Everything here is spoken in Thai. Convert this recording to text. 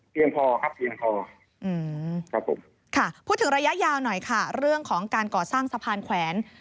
เพียงพอครับพูดถึงระยะยาวหน่อยค่ะเรื่องของการก่อสร้างสะพานแขวน